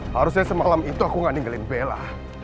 harusnya semalam itu aku gak ninggalin bella